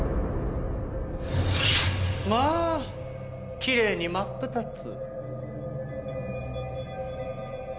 まあきれいに真っ二つ。